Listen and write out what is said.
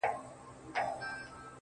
چـي اخترونـه پـه واوښـتــل.